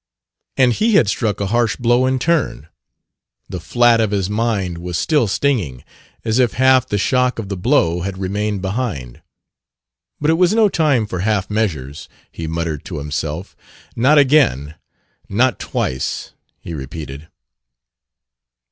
And he had struck a harsh blow in turn; the flat of his mind was still stinging, as if half the shock of the blow had remained behind. "But it was no time for half measures," he muttered to himself. "Not again; not twice!" he repeated.